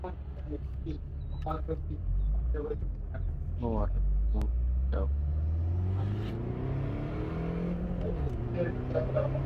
Ka varaŋ u njaf buŋ halaŋ ɗi su.